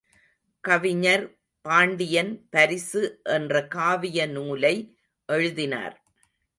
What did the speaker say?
கவிஞர் பாண்டியன் பரிசு என்ற காவிய நூலை எழுதினார்.